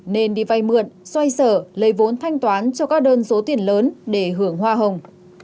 nên đi vay mượn xoay sở lấy vốn thanh toán cho các đơn số tiền lớn để hưởng hoa hồng